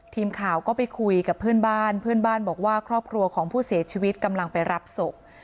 ทีมข่าวก็ไปคุยกับเพื่อนบ้านเพื่อนบ้านบอกว่าครอบครัวของผู้เสียชีวิตกำลังไปรับศพ